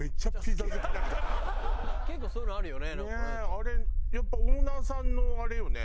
あれやっぱオーナーさんのあれよね。